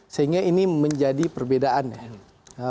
sehingga ini menjadi perbedaan ya